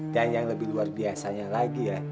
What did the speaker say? yang lebih luar biasanya lagi ya